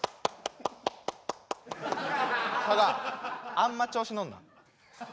あんま調子乗んな。